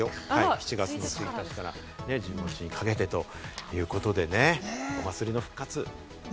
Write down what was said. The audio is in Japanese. ７月１日から１５日にかけてということで、お祭りの復活。